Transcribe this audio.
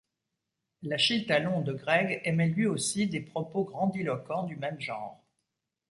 L'Achille Talon de Greg émet lui aussi des propos grandiloquents du même genre.